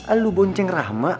elu bonceng rahma